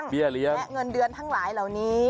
เบี้ยเลี้ยงพูเป้ยเรียง